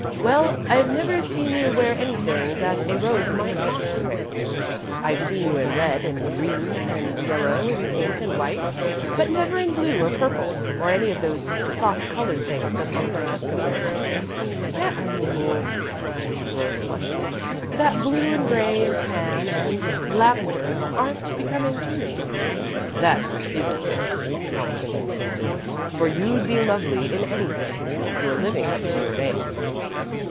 "Well, I've never seen you wear anything that a rose might not wear. I've seen you in red and green and yellow and pink and white, but never in blue or purple, or any of those soft coloured things that Aunt Francesca wears." "That only means," answered Rose, flushing, "that blue and grey and tan and lavender aren't becoming to me." "That isn't it," Allison insisted, "for you'd be lovely in anything. You're living up to your name."